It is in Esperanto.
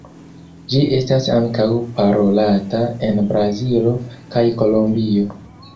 Ĝi estas ankaŭ parolata en Brazilo kaj Kolombio.